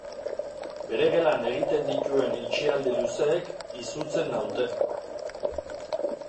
Bere gelan egiten dituen itxialdi luzeek izutzen naute.